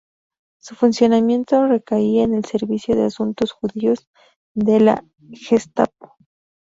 Su funcionamiento recaía en el Servicio de Asuntos Judíos de la Gestapo.